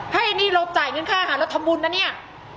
ไอ้นี่เราจ่ายเงินค่าอาหารเราทำบุญนะเนี่ย